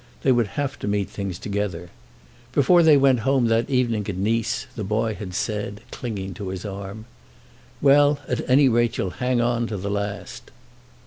They would have to meet things together. Before they went home that evening at Nice the boy had said, clinging to his arm: "Well, at any rate you'll hang on to the last."